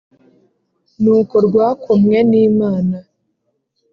Nuko rwakomwe n`Imana